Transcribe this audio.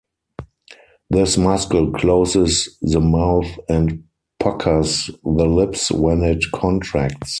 This muscle closes the mouth and puckers the lips when it contracts.